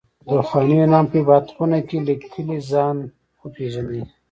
د پخواني يونان په عبادت خونه کې ليکلي ځان وپېژنئ.